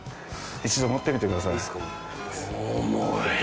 一度持ってみてください。